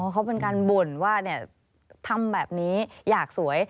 เขาเป็นการบ่นว่าทำแบบนี้อยากสวย